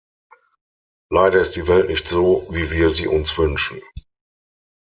Leider ist die Welt nicht so, wie wir sie uns wünschen.